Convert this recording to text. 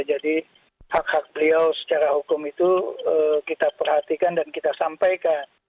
jadi hak hak beliau secara hukum itu kita perhatikan dan kita sampaikan